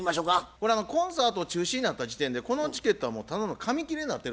これコンサート中止になった時点でこのチケットはもうただの紙切れになってるわけです。